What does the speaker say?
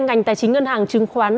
ngành tài chính ngân hàng chứng khoán